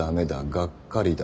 がっかりだ。